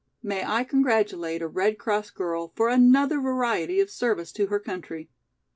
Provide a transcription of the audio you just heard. May I congratulate a Red Cross girl for another variety of service to her country.